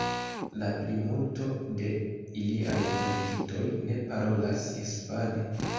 La plimulto de iliaj dungitoj ne parolas hispane.